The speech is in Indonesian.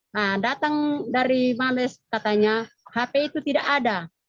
nah datang dari males katanya hp itu tidak ada